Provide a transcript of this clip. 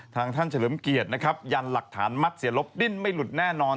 ทางท่านเฉลิมเกียรตินะครับยันหลักฐานมัดเสียลบดิ้นไม่หลุดแน่นอน